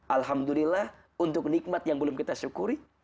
alhamdulillah untuk nikmat yang belum kita syukuri